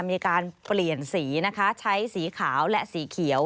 มีการเปลี่ยนสีจากสีขาวหละสีเขียว